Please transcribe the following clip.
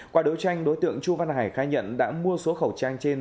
qua đấu tranh đối tượng chu văn hải khai nhận đã mua số khẩu trang trên